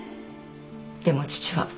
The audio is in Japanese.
でも父は。